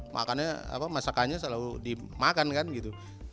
makannya apa masakannya selalu dimakan kan gitu